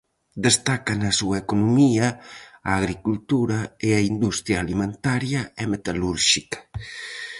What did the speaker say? Destaca na súa economía a agricultura e a industria alimentaria e metalúrxica.